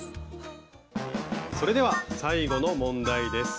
それでは最後の問題です。